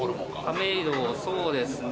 亀戸そうですね。